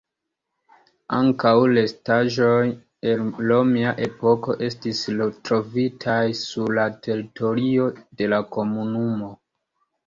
Ankaŭ restaĵoj el romia epoko estis trovitaj sur la teritorio de la komunumo.